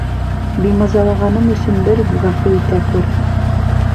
Бимазалағаным өсөн берүк ғәфү итә күр.